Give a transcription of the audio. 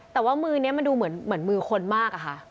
แต่ว่ามือนี้มันดูเหมือนมือคนมากอะค่ะ